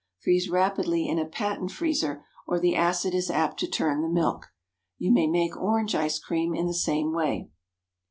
Freeze rapidly in a patent freezer, or the acid is apt to turn the milk. You may make orange ice cream in the same way.